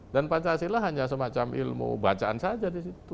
dan pancasila hanya semacam ilmu bacaan saja di situ